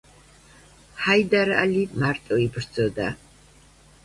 ჰაიდარ ალი მარტო იბრძოდა.